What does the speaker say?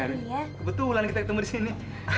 kebetulan kita ketemu disini